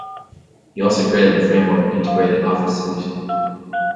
He also created the Framework integrated office suite.